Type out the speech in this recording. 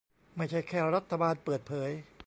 ไม่ใช่แค่รัฐบาลเปิดเผย